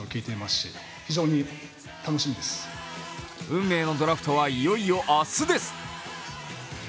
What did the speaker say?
運命のドラフトはいよいよ明日です。